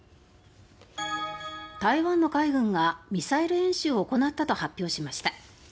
台湾の海軍がミサイル演習を行ったと発表しました。